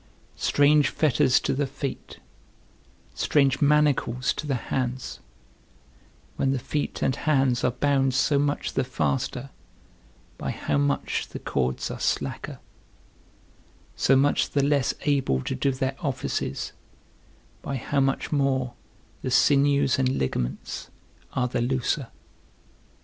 Strange fetters to the feet, strange manacles to the hands, when the feet and hands are bound so much the faster, by how much the cords are slacker; so much the less able to do their offices, by how much more the sinews and ligaments are the looser.